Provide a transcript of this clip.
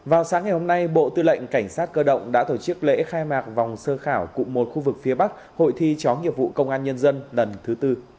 vào sáng ngày hôm nay bộ tư lệnh cảnh sát cơ động đã tổ chức lễ khai mạc vòng sơ khảo cụ một khu vực phía bắc hội thi chóng nhiệm vụ công an nhân dân lần thứ bốn